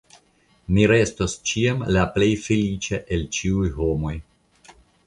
Mi restos ĉiam la plej feliĉa el ĉiuj homoj.